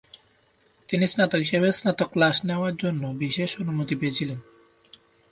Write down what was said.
তিনি স্নাতক হিসাবে স্নাতক ক্লাস নেওয়ার জন্য বিশেষ অনুমতি পেয়েছিলেন।